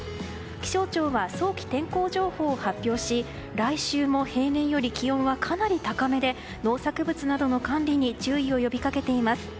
気象庁は早期天候情報を発表し来週も平年より気温はかなり高めで農作物などの管理に注意を呼びかけています。